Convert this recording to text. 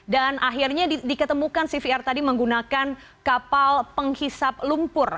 dan akhirnya diketemukan cvr tadi menggunakan kapal penghisap lumpur